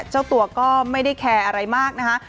เจ้าตัวก็ไม่ได้แคร์อะไรมากนะคะ